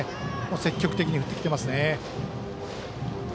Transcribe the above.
積極的に振ってきてますね。